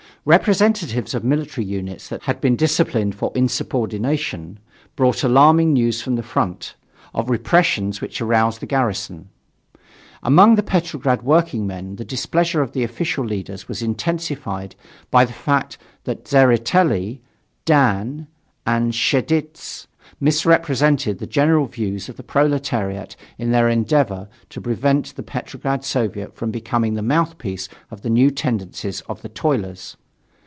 Representatives of military units that had been disciplined for insubordination brought alarming news from the front, of repressions which aroused the garrison. Among the Petrograd workingmen the displeasure with the official leaders was intensified also by the fact that Tseretelli, Dan and Cheidze misrepresented the general views of the proletariat in their endeavor to prevent the Petrograd Soviet from becoming the mouthpiece of the new tendencies of the toilers.